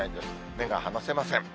目が離せません。